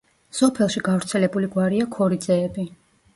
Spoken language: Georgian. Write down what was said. სოფელში გავრცელებული გვარია ქორიძეები.